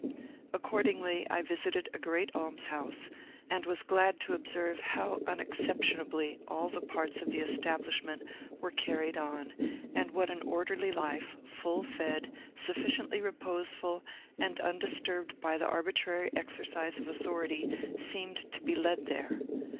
Accordingly, I visited a great almshouse, and was glad to observe how unexceptionably all the parts of the establishment were carried on, and what an orderly life, full fed, sufficiently reposeful, and undisturbed by the arbitrary exercise of authority, seemed to be led there.